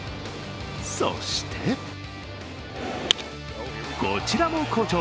そして、こちらも好調。